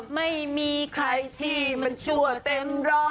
ไม่มีใครที่มันชั่วเต็มร้อย